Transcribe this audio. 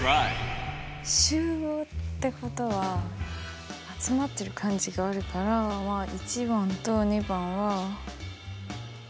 集合ってことは集まってる感じがあるからまあ①番と②番は。